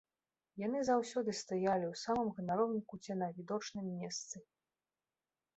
Яны заўсёды стаялі ў самым ганаровым куце на відочным месцы.